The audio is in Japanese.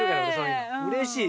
うれしい。